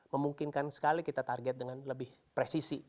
memungkinkan sekali kita target dengan lebih presisi